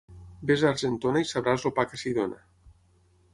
Ves a Argentona i sabràs el pa que s'hi dóna.